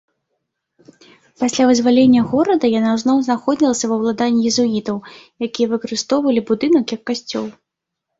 Пасля вызваленне горада яна зноў знаходзілася ва ўладанні езуітаў, якія выкарыстоўвалі будынак як касцёл.